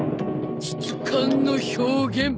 質感の表現。